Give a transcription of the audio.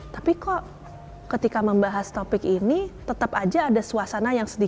tapi kok ketika membahas topik ini tetap aja ada suasana yang sedikit